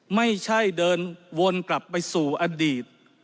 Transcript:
ไม่ใช่เดินวนกลับไปสู่อดีต